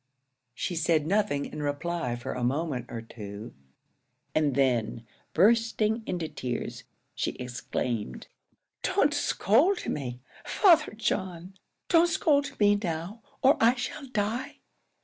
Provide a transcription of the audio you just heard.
She said nothing in reply for a moment or two; and then, bursting into tears, she exclaimed, "Don't scold me, Father John! don't scold me now, or I shall die!